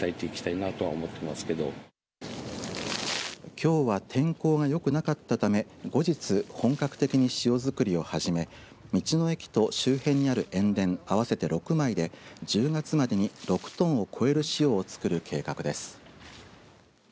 きょうは天候がよくなかったため後日、本格的に塩作りをはじめ道の駅と周辺にある塩田合わせて６枚で１０月までに６トンを超える塩を作る計画です。